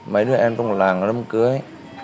mấy đứa em không làm lắm cưới